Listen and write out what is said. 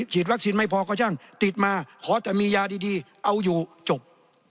ฉีดวัคซีนไม่พอก็ช่างติดมาขอแต่มียาดีเอาอยู่จบ